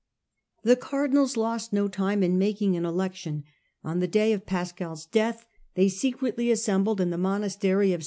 The cardinals lost no time in making an election. On the day of Pascal's death they secretly assembled in the monastery of S.